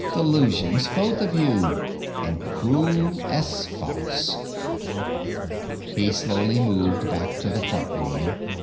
"Delusions, both of you, and cruel as false!" He slowly moved back to the front room.